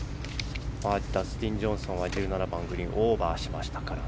ダスティン・ジョンソンは１７番、グリーンをオーバーしましたから。